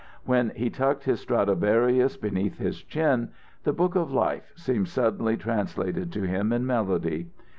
When he tucked his Stradivarius beneath his chin, the Book of Life seemed suddenly translated to him in melody.